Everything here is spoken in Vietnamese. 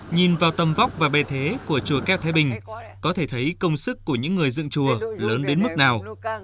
nhìn vào tầm vóc và bề thế của chùa keo thái bình có thể thấy công sức của những người dựng chùa lớn đến mức nào